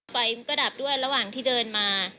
ไฟมันก็ดับด้วยระหว่างที่เดินมา